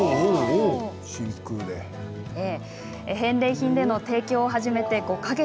返礼品での提供を始めて５か月。